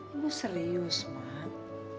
ibu serius mak